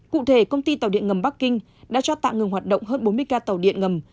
cụ thể công ty tàu điện ngầm bắc kinh đã cho tạm ngừng hoạt động hơn bốn mươi ca tàu điện ngầm